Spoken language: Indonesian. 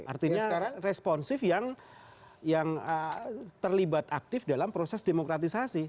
artinya responsif yang terlibat aktif dalam proses demokratisasi